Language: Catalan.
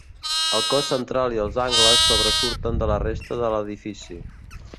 El cos central i els angles sobresurten de la resta de l'edifici.